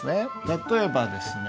例えばですね